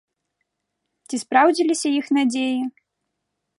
Ці спраўдзіліся іх надзеі?